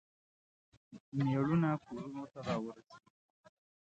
میړونه کورونو ته راورسیږي.